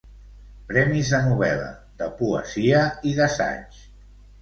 Premis de novel·la, de poesia i d'assaig.